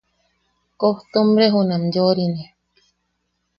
Koojtumbre junam yoʼorine.